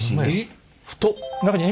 太っ！